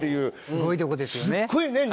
すごいとこですよね。